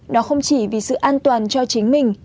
đó không chỉ vì sự an toàn cho chính mình